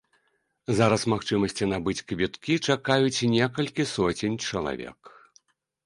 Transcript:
Зараз магчымасці набыць квіткі чакаюць некалькі соцень чалавек.